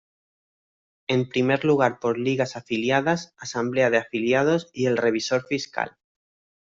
En primer lugar por Ligas Afiliadas, Asamblea de Afiliados y el Revisor Fiscal.